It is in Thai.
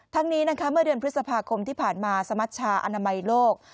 ทั้งนี้นะคะเมื่อเดือนพฤษภาคมที่ผ่านมาสมัชชาอนามัยโลก